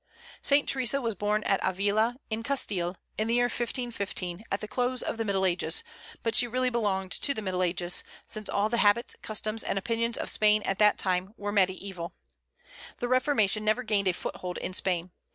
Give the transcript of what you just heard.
Saint Theresa was born at Avila, in Castile, in the year 1515, at the close of the Middle Ages; but she really belonged to the Middle Ages, since all the habits, customs, and opinions of Spain at that time were mediaeval. The Reformation never gained a foothold in Spain.